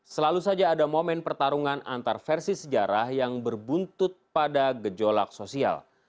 selalu saja ada momen pertarungan antar versi sejarah yang berbuntut pada gejolak sosial